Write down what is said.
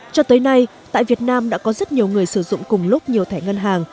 cho tới nay tại việt nam đã có rất nhiều người sử dụng cùng lúc nhiều thẻ ngân hàng